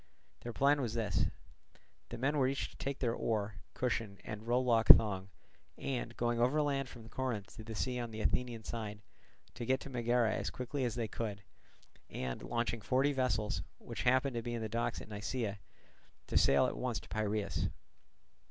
Their plan was as follows: The men were each to take their oar, cushion, and rowlock thong, and, going overland from Corinth to the sea on the Athenian side, to get to Megara as quickly as they could, and launching forty vessels, which happened to be in the docks at Nisaea, to sail at once to Piraeus.